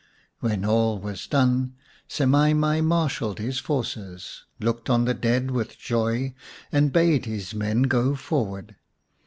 When all was done Semai mai marshalled his forces, looked on the dead with joy, and bade his men go forward.